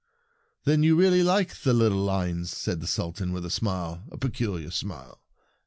" Then you really like the little lines?" asked the Sultan, with a smile— a peculiar smile.